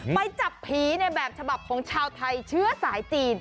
ไปจับผีในแบบฉบับของชาวไทยเชื้อสายจีน